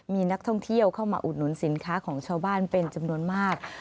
มีนักท่องเที่ยวเข้ามาอุดหนุนสินค้าของชาวบ้านเป็นจำนวนมาก